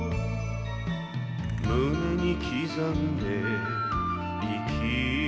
「胸に刻んで生きるとき」